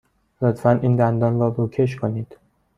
لطفاً این دندان را روکش کنید.